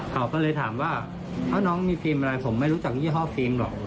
เขาก็เลยถามว่าถ้าน้องมีฟิล์มอะไรผมไม่รู้จักยี่ห้อฟิล์มหรอก